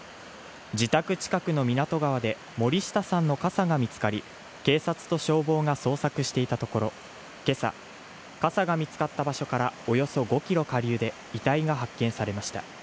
自宅近くの湊川で森下さんの傘が見つかり、警察と消防が捜索していたところ今朝、傘が見つかった場所からおよそ５ｋｍ下流で遺体が発見されました。